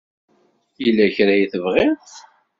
Yella kra i tebɣiḍ?